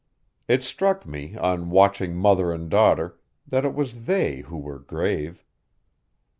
It struck me, on watching mother and daughter, that it was they who were grave.